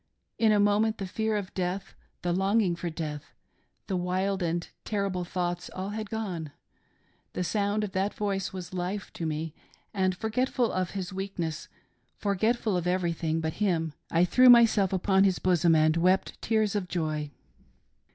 In a moment the fear of death — the longing for death — the wild and terrible thoughts, all had gone ;— the sound of that voice was life to me, and forgetful of his weakness, forgetful of everything but him, I threw myself upon his bosom and wept tears of joy.